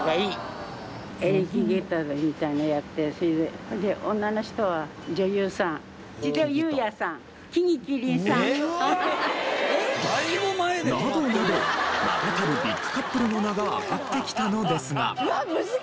えっ？などなど名だたるビッグカップルの名が挙がってきたのですが。